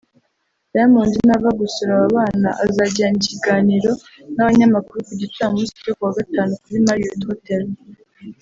Diamond nava gusura aba bana azagirana ikiganiro n’abanyamakuru ku gicamunsi cyo kuwa Gatanu kuri Marriot Hotel